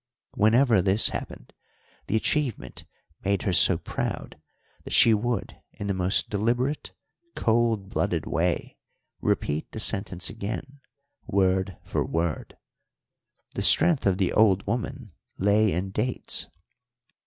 Whenever this happened the achievement made her so proud that she would in the most deliberate cold blooded way repeat the sentence again, word for word. The strength of the old woman lay in dates.